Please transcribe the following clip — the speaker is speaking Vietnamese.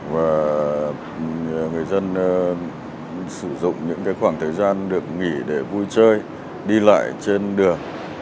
và người dân sử dụng những khoảng thời gian được nghỉ để vui chơi đi lại trên đường